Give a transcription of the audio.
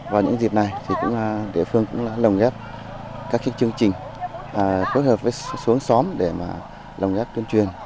vào những dịp này thì địa phương cũng đã lồng ghép các chương trình phối hợp với xuống xóm để lồng ghép tuyên truyền